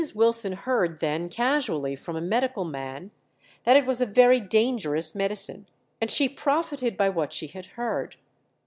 Wilson heard then casually from a medical man that it was a very dangerous medicine, and she profited by what she had heard.